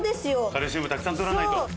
カルシウムたくさん取らないと。